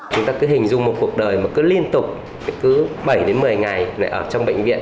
chúng ta cứ hình dung một cuộc đời mà cứ liên tục cứ bảy đến một mươi ngày lại ở trong bệnh viện